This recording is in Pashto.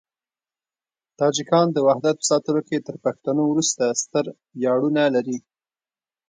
تاجکان د وحدت په ساتلو کې تر پښتنو وروسته ستر ویاړونه لري.